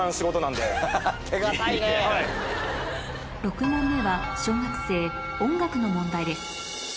６問目は小学生音楽の問題です